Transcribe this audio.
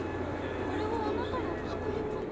あれはあなたの作り話じゃ？